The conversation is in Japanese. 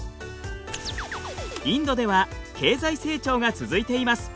インドでは経済成長が続いています。